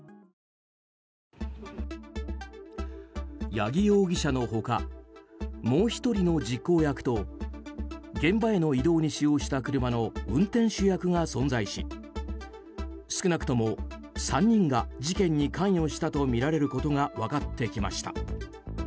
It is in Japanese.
八木容疑者の他もう１人の実行役と現場への移動に使用した車の運転手役が存在し少なくとも３人が事件に関与したとみられることが分かってきました。